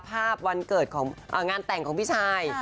วันเกิดของงานแต่งของพี่ชาย